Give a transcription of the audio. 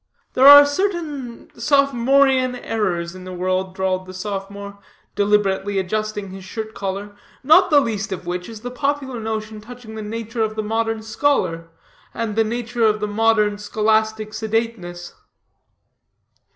"There are certain sophomorean errors in the world," drawled the sophomore, deliberately adjusting his shirt collar, "not the least of which is the popular notion touching the nature of the modern scholar, and the nature of the modern scholastic sedateness."